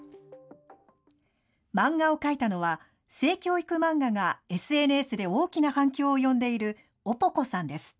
漫画を描いたのは、性教育漫画がＳＮＳで大きな反響を呼んでいるヲポコさんです。